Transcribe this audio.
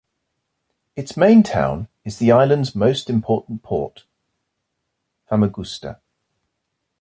Its main town is the island's most important port, Famagusta.